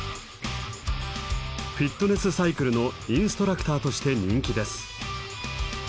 フィットネスサイクルのインストラクターとして人気です。